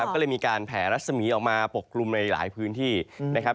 ก็เลยมีการแผ่รัศมีออกมาปกกลุ่มในหลายพื้นที่นะครับ